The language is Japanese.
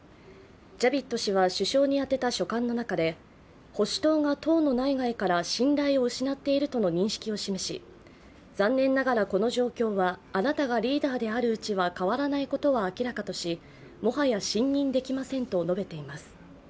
ジャヴィッド氏は首相に宛てた書簡の中で保守党が党の内外から信頼を失っているとの認識を示し残念ながらこの状況はあなたがリーダーであるうちは変わらないことは明らかとしもはや信任できませんと述べています。